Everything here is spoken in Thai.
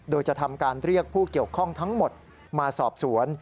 โดยจะทำการเรียกผู้เกี่ยวข้องทั้งหมดมาสอบสวน